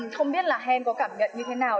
không biết là hèn có cảm nhận như thế nào